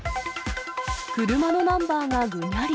車のナンバーがぐにゃり。